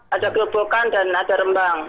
ada gerobokan dan ada rembang